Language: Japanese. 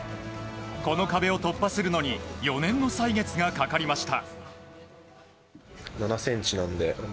この壁を突破するのに４年の歳月がかかりました。